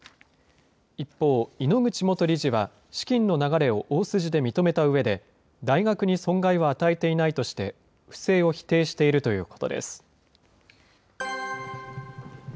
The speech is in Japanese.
一方、井ノ口元理事は資金の流れを大筋で認めたうえで、大学に損害は与えていないとして、不正を否定しているということです。